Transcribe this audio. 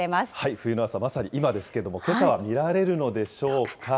冬の朝、まさに今ですけれども、けさは見られるのでしょうか。